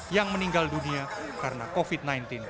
yang meninggal dunia karena covid sembilan belas